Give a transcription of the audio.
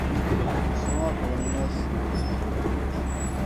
Su forma femenina es vizcondesa.